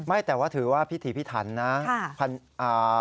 ไม่แต่ว่าถือว่าพิถีพิถันนะ